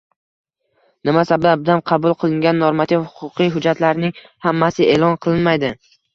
Nima sababdan qabul qilingan normativ-huquqiy hujjatlarning hammasi e’lon qilinmaydi?